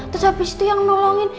terus habis itu yang nolongin